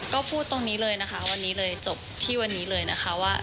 ก็พูดตรงนี้เลยนะคะวันนี้เลยจบที่วันนี้เลยนะคะว่า